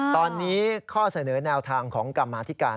ตอนนี้ข้อเสนอแนวทางของกรรมาธิการ